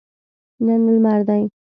نن لمر دی